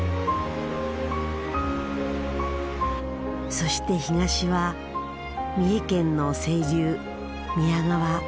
そして東は三重県の清流宮川。